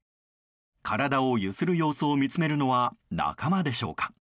体を揺する様子を見つめるのは仲間でしょうか。